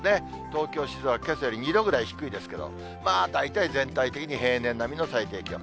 東京、静岡はけさより２度ぐらい低いですけど、大体全体的に平年並みの最低気温。